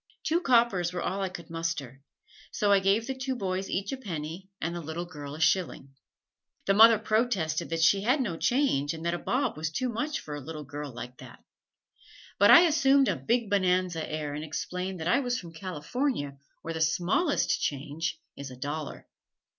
Two coppers were all I could muster, so I gave the two boys each a penny and the little girl a shilling. The mother protested that she had no change and that a bob was too much for a little girl like that, but I assumed a Big Bonanza air and explained that I was from California where the smallest change is a dollar.